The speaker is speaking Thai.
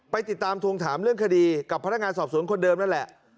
ไปติดตามทวงถามเรื่องคดีกับพนักงานสอบสวนคนเดิมนั่นแหละ